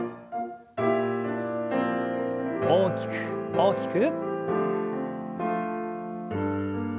大きく大きく。